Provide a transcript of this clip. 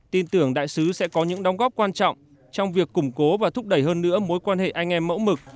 tin tưởng đại sứ sẽ có những đóng góp quan trọng trong việc củng cố và thúc đẩy hơn nữa mối quan hệ anh em mẫu mực